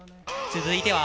続いては。